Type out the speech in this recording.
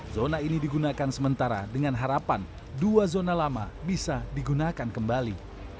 zona ini digunakan sementara dengan harapan dua zona lama bisa digunakan kembali